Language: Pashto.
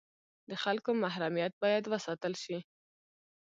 د خلکو محرمیت باید وساتل شي